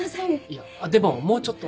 いやでももうちょっと。